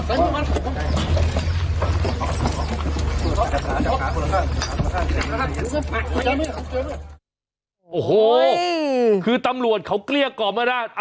อ๋อโอ้โหคือตำลวดเขาเกลี้ยกอมมาน่ะ